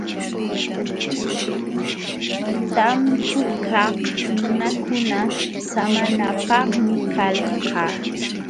Tampukaq nunakuna samanapaqmi kalqa.